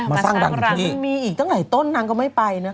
มาสร้างดังในที่นี่มันมีอีกจากไหนต้นนางก็ไม่ไปนะ